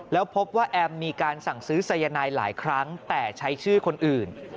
แล้วพบว่าแอมมีการสั่งซื้อสายนายหลายครั้งแต่ใช้ชื่อคนอื่น